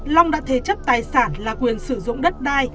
long đã thế chấp tài sản là quyền sử dụng đất đai